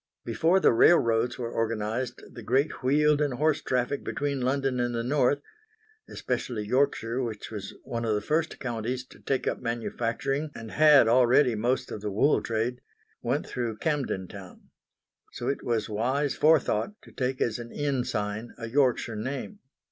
Before the railways were organised the great wheeled and horse traffic between London and the North especially Yorkshire which was one of the first Counties to take up manufacturing and had already most of the wool trade went through Camden Town. So it was wise forethought to take as an inn sign a Yorkshire name.